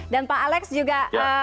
dan pak alex juga